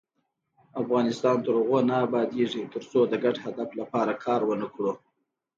افغانستان تر هغو نه ابادیږي، ترڅو د ګډ هدف لپاره کار ونکړو.